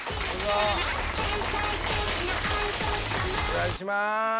お願いします！